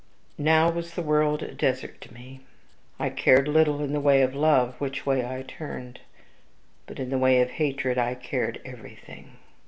"Now was the world a desert to me. I cared little, in the way of love, which way I turned. But in the way of hatred I cared everything.